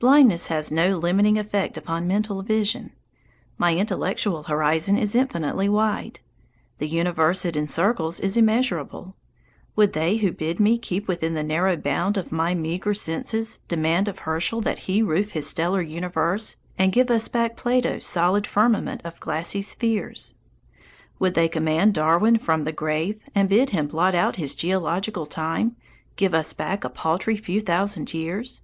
Blindness has no limiting effect upon mental vision. My intellectual horizon is infinitely wide. The universe it encircles is immeasurable. Would they who bid me keep within the narrow bound of my meagre senses demand of Herschel that he roof his stellar universe and give us back Plato's solid firmament of glassy spheres? Would they command Darwin from the grave and bid him blot out his geological time, give us back a paltry few thousand years?